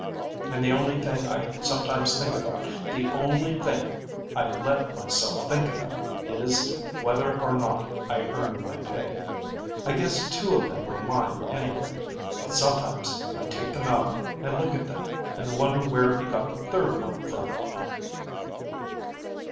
And the only thing I sometimes think about, the only thing I let myself think about, is whether or not I earned my pay. I guess two of them were mine anyway. But sometimes I take them out and look at them, and wonder where he got the third one from."